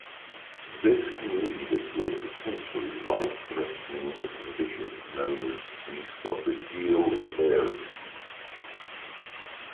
This can lead to a potentially life-threatening condition known as esophageal varices.